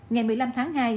ngày một mươi năm tháng hai